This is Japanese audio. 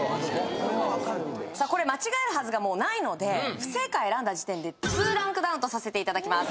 これはわかるでしょさあこれ間違えるはずがもうないので不正解選んだ時点で２ランクダウンとさせていただきます